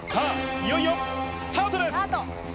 いよいよスタートです。